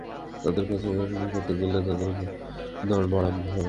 তাদের কথা নিয়ে আলোচনা করতে গেলেই তাদের দর বাড়ান হবে।